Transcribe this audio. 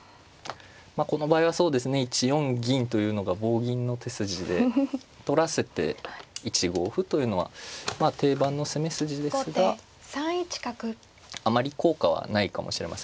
まあこの場合はそうですね１四銀というのが棒銀の手筋で取らせて１五歩というのは定番の攻め筋ですがあまり効果はないかもしれません。